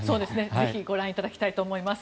ぜひご覧いただきたいと思います。